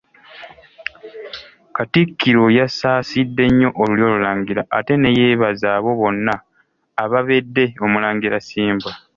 Katikkiro yasaasidde nnyo olulyo Olulangira ate neyeebaza abo bonna ababedde Omulangira Ssimbwa.